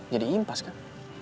jadi impas kan